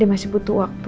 dia masih butuh waktu